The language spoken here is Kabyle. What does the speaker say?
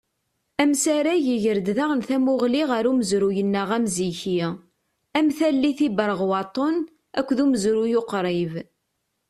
Amsarag iger-d daɣen tamuɣli ɣer umezruy-nneɣ amziki, am tallit Iberɣwaṭen, akked umezruy uqrib.